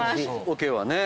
おけはね。